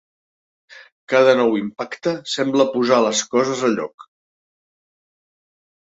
Cada nou impacte sembla posar les coses a lloc.